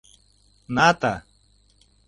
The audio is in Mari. Ната.